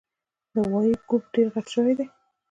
د غوایي ګوپ ډېر غټ شوی دی